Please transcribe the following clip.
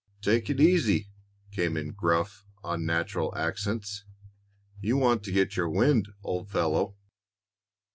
"Take it easy," came in gruff, unnatural accents. "You want to get your wind old fellow."